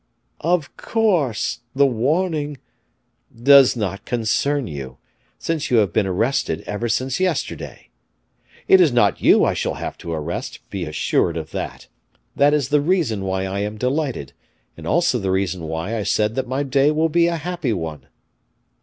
_" "Of course. The warning " "Does not concern you, since you have been arrested ever since yesterday. It is not you I shall have to arrest, be assured of that. That is the reason why I am delighted, and also the reason why I said that my day will be a happy one."